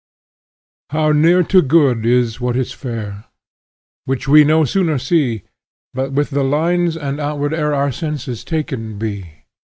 "HOW near to good is what is fair! Which we no sooner see, But with the lines and outward air Our senses taken be.